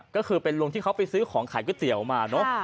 ก็คือเป็นลุงที่เขาไปซื้อของขายก๋วยเตี๋ยวมาเนอะ